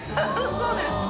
そうです。